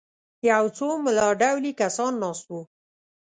یو څو ملا ډولي کسان ناست وو.